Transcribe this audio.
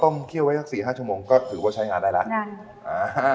พอต้มเคี่ยวไว้สักสี่ห้าชั่วโมงก็ถือว่าใช้งานได้แล้วใช่